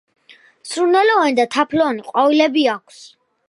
სურნელოვანი და თაფლოვანი ყვავილები აქვს.